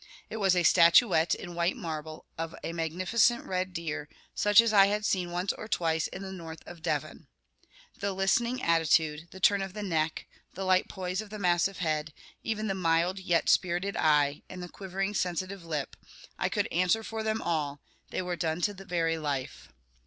It was a statuette in white marble of a magnificent red deer, such as I had seen once or twice in the north of Devon. The listening attitude, the turn of the neck, the light poise of the massive head, even the mild, yet spirited eye, and the quivering sensitive lip, I could answer for them all, they were done to the very life.